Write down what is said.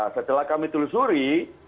setelah kami telusuri